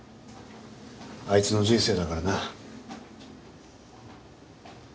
あいつの人生だからな。